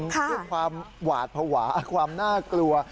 คือความหวาดภาวะความน่ากลัว